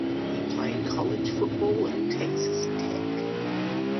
He played college football at Texas Tech.